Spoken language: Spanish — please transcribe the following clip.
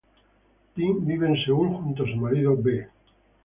Pim vive en Seúl, junto a su marido Vee.